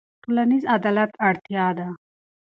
ټولنیز عدالت اړتیا ده.